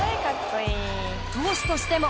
投手としても。